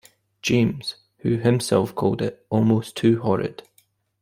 James, who himself called it "almost too horrid".